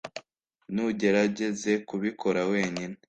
ntugerageze kubikora wenyine.